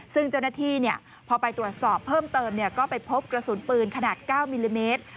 ซึ่งเจ้าหน้าที่พอไปตรวจสอบเพิ่มเติมก็ไปพบกระสุนปืนขนาด๙มิลลิเมตร